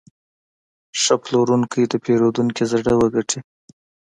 ښه پلورونکی د پیرودونکي زړه وګټي.